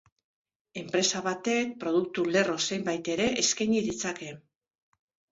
Enpresa batek produktu-lerro zenbait ere eskaini ditzake.